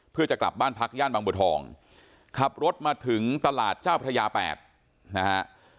เพื่อจะกลับบ้านพักย่านบางบัวทองขับรถมาถึงตลาดเจ้าพระยา๘นะฮะ